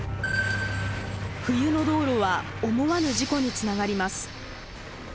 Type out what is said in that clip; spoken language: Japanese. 冬の道路は思わぬ事故につながります。